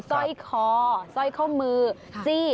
สร้อยคอสร้อยข้อมือจี้